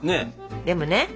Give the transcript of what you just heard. でもね